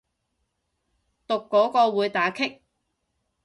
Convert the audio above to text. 讀嗰個會打棘